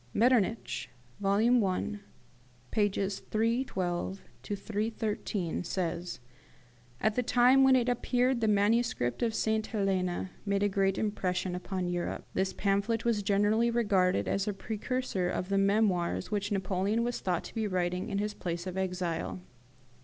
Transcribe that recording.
Metternich (vol, i. pp. 312 13) says, "At the time when it appeared the manuscript of St. Helena made a great impression upon Europe. This pamphlet was generally regarded as a precursor of the memoirs which Napoleon was thought to be writing in his place of exile.